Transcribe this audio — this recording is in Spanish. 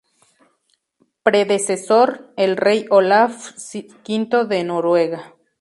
Predecesor: el rey Olaf V de Noruega.